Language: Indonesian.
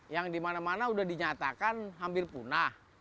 yang dimana mana sudah dinyatakan hampir punah